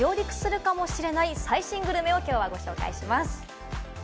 日本に上陸するかもしれない最新グルメを今日はご紹介します。